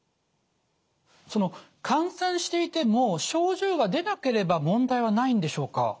その感染していても症状が出なければ問題はないんでしょうか？